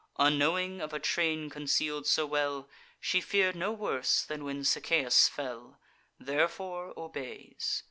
Unknowing of a train conceal'd so well, She fear'd no worse than when Sichaeus fell; Therefore obeys.